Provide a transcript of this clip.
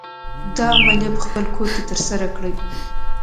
دا عملیه په خپل کور کې تر سره کړئ.